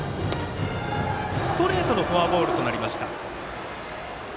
ストレートのフォアボールとなりました。